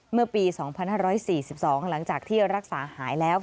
เมื่อปี๒๕๔๒หลังจากที่รักษาหายแล้ว